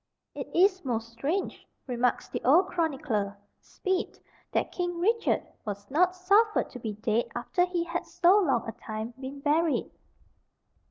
"It is most strange," remarks the old chronicler, Speed, "that King Richard was not suffered to be dead after he had so long a time been buried."